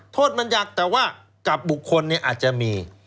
โทษมันยักแต่ว่ากับบุคคลเนี่ยอาจจะมี